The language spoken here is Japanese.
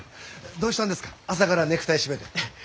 どうしたんですか朝からネクタイ締めて。